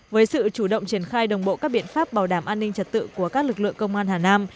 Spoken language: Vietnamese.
với sự chủ động triển khai đồng bộ các biện pháp bảo đảm an ninh trật tự của các lực lượng công an hà nam